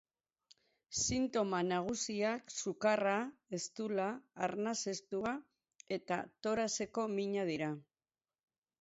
Sintoma nagusiak sukarra, eztula, arnasestua eta toraxeko mina dira.